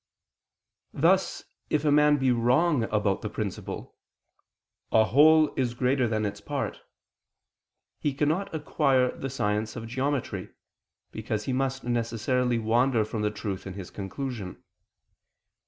Thus, if a man be wrong about the principle, "A whole is greater than its part," he cannot acquire the science of geometry, because he must necessarily wander from the truth in his conclusion.